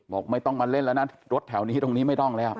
บอกไม่ต้องมาเล่นแล้วนะรถแถวนี้ตรงนี้ไม่ต้องแล้ว